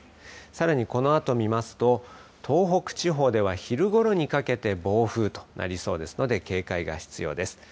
さらに、このあと、見ますと東北地方では昼ごろにかけて暴風となりそうですので警戒が必要です。